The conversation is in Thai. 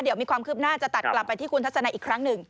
เดี๋ยวมีความคืบหน้าจะตัดกลับไปที่คุณทัศนัยอีกครั้งหนึ่ง